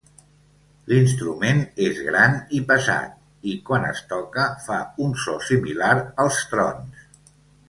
L'instrument és gran i pesat i, quan es toca, fa un so similar als trons.